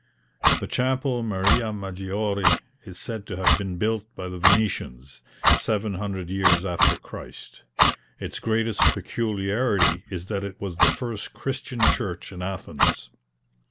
The chapel Maria Maggiore, is said to have been built by the Venetians, 700 years after Christ. Its greatest peculiarity is that it was the first Christian church in Athens.